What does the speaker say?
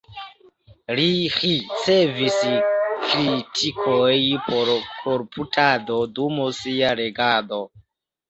Li ricevis kritikojn pro koruptado dum sia regado.